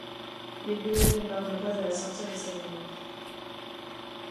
Mais lui-même ne parvient pas à la sortir de sa mémoire.